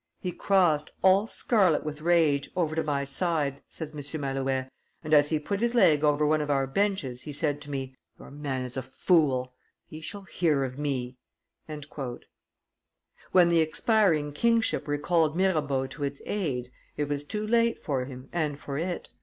"He crossed, all scarlet with rage, over to my side," says M. Malouet, and, as he put his leg over one of our benches, he said to me, 'Your man is a fool, he shall hear of me.'" When the expiring kingship recalled Mirabeau to its aid, it was too late for him and for it.